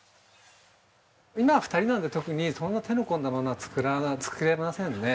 今は２人なんで特にそんな手の込んだものは作れませんね。